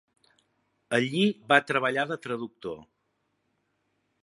Allí va treballar de traductor.